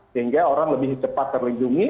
sehingga orang lebih cepat terlindungi